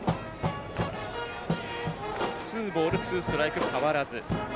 ツーボール、ツーストライク変わらず。